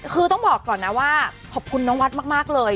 คือต้องบอกก่อนนะว่าขอบคุณน้องวัดมากเลย